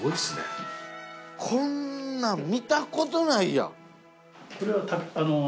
こんなん見たことないやん。